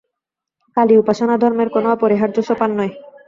কালী-উপাসনা ধর্মের কোন অপরিহার্য সোপান নয়।